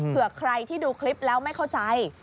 เผื่อใครที่ดูคลิปแล้วไม่เข้าใจ